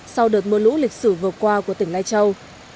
sau đợt mưa lũ lịch sử vừa qua của tỉnh lai châu